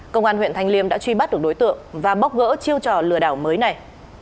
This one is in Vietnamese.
công an huyện thanh liêm đã truy bắt được đối tượng và bóc gỡ chiêu trò lừa đảo mới này